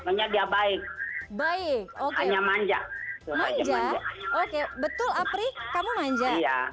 banyak dia baik baik hanya manja oke betul apri kamu manja ya